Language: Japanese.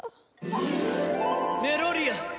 メロリア！